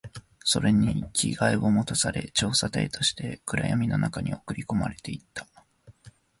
それに着替えを持たされ、調査隊として暗闇の中に送り込まれていった